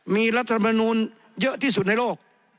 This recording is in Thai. มีรัฐมนูลเยอะที่สุดในโลก